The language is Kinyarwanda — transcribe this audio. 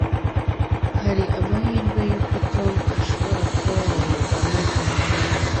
Hari amahirwe yuko Tom ashobora kuba yaraye kwa Mariya